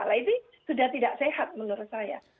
lagi sudah tidak sehat menurut saya